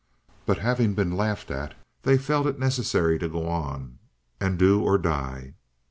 But having been laughed at, they felt it necessary to go on, and do or die.